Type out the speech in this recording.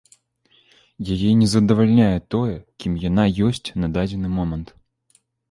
Яе не задавальняе тое, кім яна ёсць на дадзены момант.